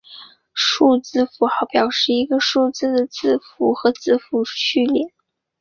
数字符号表示一个数字的字符和字符序列。